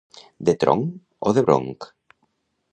De tronc o de bronc.